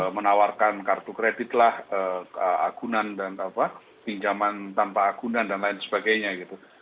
menawarkan kartu kredit lah akunan dan apa pinjaman tanpa akunan dan lain sebagainya gitu